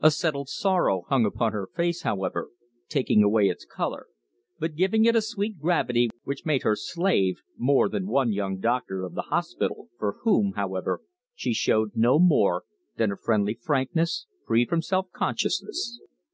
A settled sorrow hung upon her face, however, taking away its colour, but giving it a sweet gravity which made her slave more than one young doctor of the hospital, for whom, however, she showed no more than a friendly frankness, free from self consciousness.